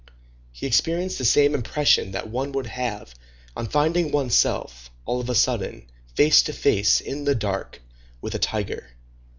He experienced the same impression that one would have on finding one's self, all of a sudden, face to face, in the dark, with a tiger.